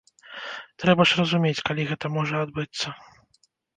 Трэба ж разумець, калі гэта можа адбыцца.